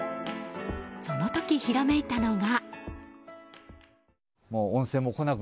その時ひらめいたのが。